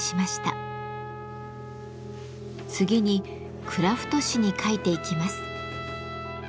次にクラフト紙に描いていきます。